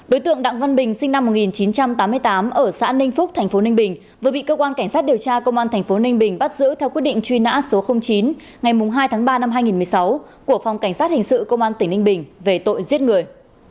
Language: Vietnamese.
đối tượng đặng văn bình sinh năm một nghìn chín trăm tám mươi tám ở xã ninh phúc thành phố ninh bình vừa bị cơ quan cảnh sát điều tra công an tp ninh bình bắt giữ theo quyết định truy nã số chín ngày hai tháng ba năm hai nghìn một mươi sáu của phòng cảnh sát hình sự công an tỉnh ninh bình về tội giết người